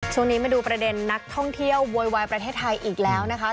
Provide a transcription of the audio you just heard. มาดูประเด็นนักท่องเที่ยวโวยวายประเทศไทยอีกแล้วนะคะ